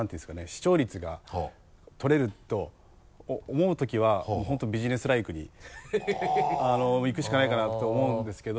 視聴率が取れると思うときはもう本当にビジネスライクにいくしかないかなって思うんですけど。